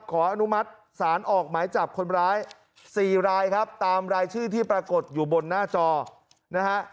ขออนุมัติศาลออกหมายจับคนร้าย๔รายครับตามรายชื่อที่ปรากฏอยู่บนหน้าจอนะฮะ